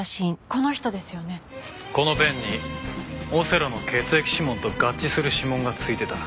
このペンにオセロの血液指紋と合致する指紋が付いてた。